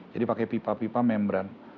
jadi pakai pipa pipa membran